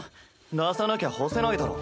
出さなきゃ干せないだろ。